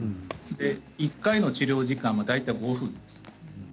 １回の治療時間も大体５分です。